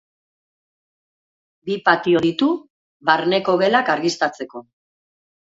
Bi patio ditu barneko gelak argiztatzeko.